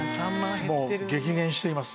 もう激減しています。